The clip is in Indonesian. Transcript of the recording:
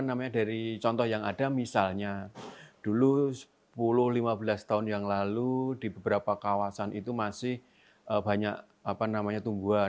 namanya dari contoh yang ada misalnya dulu sepuluh lima belas tahun yang lalu di beberapa kawasan itu masih banyak apa namanya tumbuhan